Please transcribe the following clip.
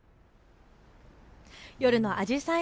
夜のあじさい